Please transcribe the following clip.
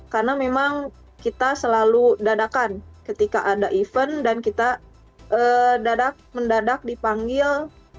karena memang kita selalu dadakan ketika ada event dan kita mendadak dipanggil